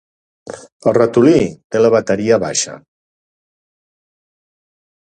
El ratolí té la bateria baixa.